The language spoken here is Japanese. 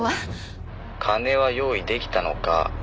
金は用意出来たのか？